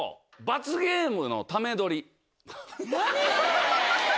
罰ゲームのため撮り？